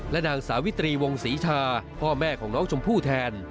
นางสาวิตรีวงศรีชาพ่อแม่ของน้องชมพู่แทน